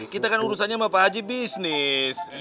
kita kan urusannya sama pak aji bisnisnya ya